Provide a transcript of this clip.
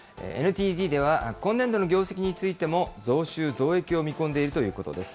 ＮＴＴでは、今年度の業績についても、増収増益を見込んでいるということです。